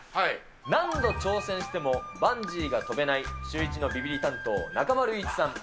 何度挑戦してもバンジーが飛べないシューイチのビビリ担当、中丸雄一さん。